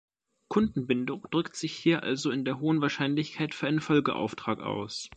Kundenbindung drückt sich hier also in der hohen Wahrscheinlichkeit für einen Folgeauftrag aus.